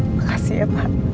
makasih ya pak